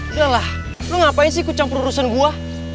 udah lah lo ngapain sih ikut campur urusan gua